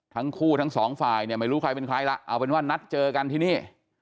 ทั้งสองฝ่ายเนี่ยไม่รู้ใครเป็นใครล่ะเอาเป็นว่านัดเจอกันที่นี่